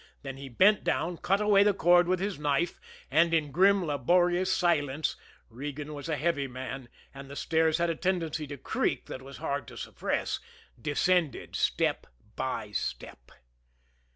Then he bent down, cut away the cord with his knife, and in grim, laborious silence Regan was a heavy man, and the stairs had a tendency to creak that was hard to suppress descended step by step.